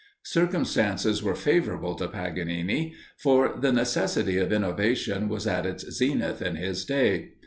Circumstances were favourable to Paganini, for the necessity of innovation was at its zenith in his day.